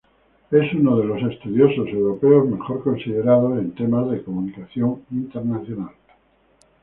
Es uno de los estudiosos europeos mejor considerados en temas de comunicación internacional.